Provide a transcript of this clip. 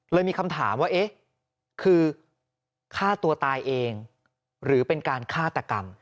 มีคำถามว่าเอ๊ะคือฆ่าตัวตายเองหรือเป็นการฆาตกรรม